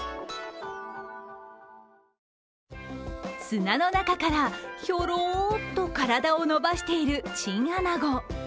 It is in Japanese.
砂の中からひょろーっと体を伸ばしているチンアナゴ。